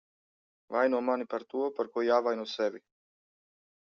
Vaino mani par to, par ko jāvaino sevi.